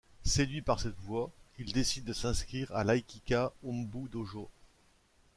Séduit par cette voie, il décide de s’inscrire à l’Aikikaï Hombu Dojo.